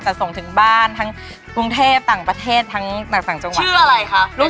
จะส่งถึงบ้านทั้งกรุงเทพฯต่างประเทศทั้งต่างจังหวัด